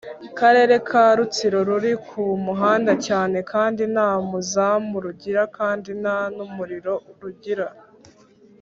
Karere ka Rutsiro ruri ku muhanda cyane kandi nta muzamu rugira kandi nta n umuriro rugira